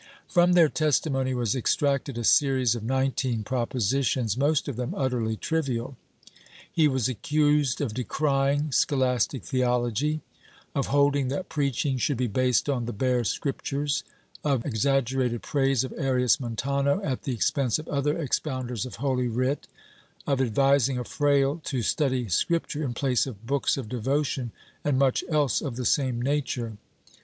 From their testimony was extracted a series of nineteen proposi tions, most of them utterly trivial. He was accused of decrying scholastic theology, of holding that preaching should be based on the bare Scriptures, of exaggerated praise of Arias Montano at the expense of other expounders of Holy Writ, of advising a frail e to study Scripture in place of books of devotion and much else of the same nature.